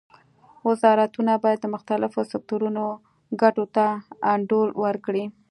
وزارتونه باید د مختلفو سکتورونو ګټو ته انډول ورکړي